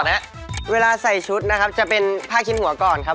หมายเลขสาม